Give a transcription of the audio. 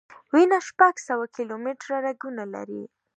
وینه شپږ سوه کیلومټره رګونه لري.